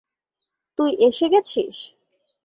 তুই এসে গেছিস।